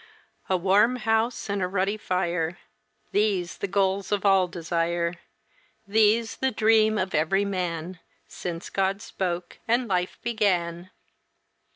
A warm house and a ruddy fire, These the goals of all desire, These the dream of every man Since God spoke and life began.